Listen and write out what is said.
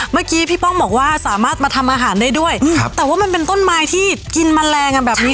เมื่อกี้พี่ป้องบอกว่าสามารถมาทำอาหารได้ด้วยแต่ว่ามันเป็นต้นไม้ที่กินแมลงกันแบบนี้